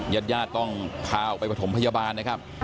ญาติญาติต้องพาออกไปประถมพยาบาลนะครับ